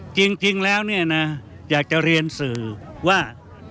จริงแล้วเนี่ยนะอยากจะเรียนสื่อว่า